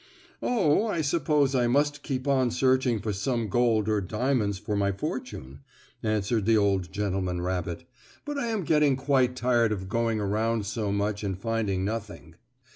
"Oh, I suppose I must keep on searching for some gold or diamonds for my fortune," answered the old gentleman rabbit. "But I am getting quite tired of going around so much and finding nothing.